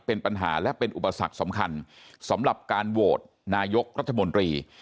เป็นปัญหาและเป็นอุปสรรคสำคัญสำหรับการโหวตนายกรัฐมนตรี